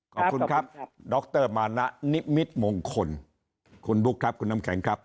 ขอบคุณครับดรมานะนิมิตมงคลคุณบุ๊คครับคุณน้ำแข็งครับ